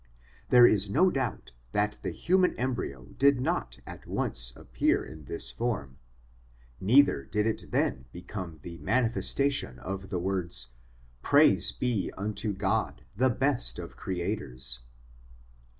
There is no doubt that the human embryo did not at once appear in this form, neither did it then become the manifestation of the words ' Praise be unto God, the best of Creators.'